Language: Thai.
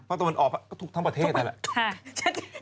ภาคตะวันออกก็ทุกทั้งประเทศแหละ